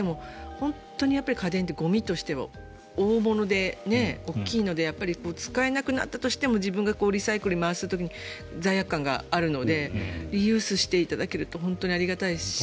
本当に家電ってゴミとしては大物で大きいので使えなくなったとしても自分がリサイクルに回す時に罪悪感があるのでリユースしていただけると本当にありがたいし。